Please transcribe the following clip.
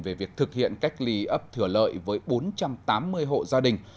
về việc thực hiện cách ly ấp thửa lợi với bốn trăm tám mươi hộ gia đình